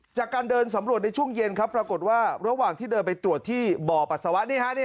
จากการเดินสำรวจในช่วงเย็นครับปรากฏว่าระหว่างที่เดินไปตรวจที่บ่อปัสสาวะ